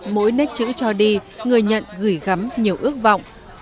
mỗi nét chữ cho đi người nhận gửi gắm nhiều ước vọng